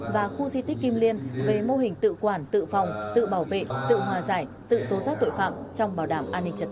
và khu di tích kim liên về mô hình tự quản tự phòng tự bảo vệ tự hòa giải tự tố giác tội phạm trong bảo đảm an ninh trật tự